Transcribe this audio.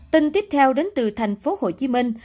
tin tiếp theo đến từ thành phố hồ chí minh